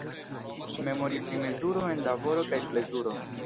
Memori pri mezuro en laboro kaj plezuro.